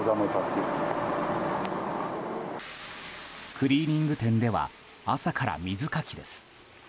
クリーニング店では朝から水かきです。